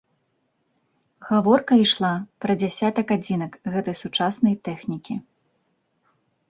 Гаворка ішла пра дзясятак адзінак гэтай сучаснай тэхнікі.